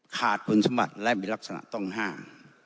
ขาดคุณสมบัติและมีลักษณะต้องห้าม